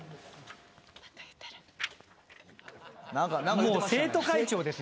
もう生徒会長ですよ